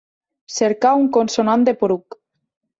Cercar un consonant de "poruc".